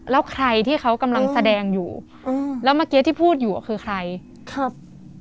แล้วใครที่เขากำลังแสดงอยู่อืมแล้วเมื่อกี้ที่พูดอยู่อ่ะคือใครครับ